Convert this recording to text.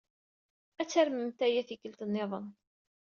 Ad tarmemt aya tikkelt niḍen.